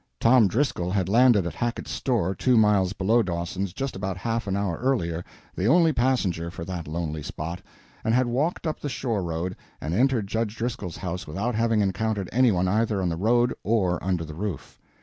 Tom Driscoll had landed at Hackett's Store, two miles below Dawson's, just about half an hour earlier, the only passenger for that lonely spot, and had walked up the shore road and entered Judge Driscoll's house without having encountered any one either on the road or under the roof.